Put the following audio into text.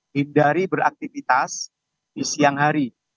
hindari beraktivitas di siang hari